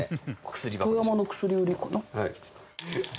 薬箱・富山の薬売りかな。